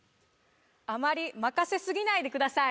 あまりまかせすぎないでください。